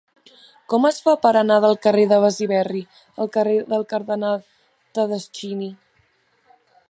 Com es fa per anar del carrer de Besiberri al carrer del Cardenal Tedeschini?